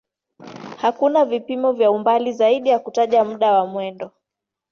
Hakuna vipimo vya umbali zaidi ya kutaja muda wa mwendo.